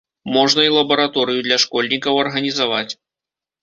Можна і лабараторыю для школьнікаў арганізаваць.